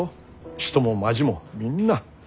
人も町もみんな。